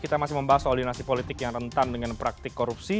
kita masih membahas soal dinasti politik yang rentan dengan praktik korupsi